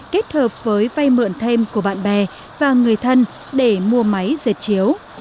kết hợp với vay mượn thêm của bạn bè và người thân để mua máy dệt chiếu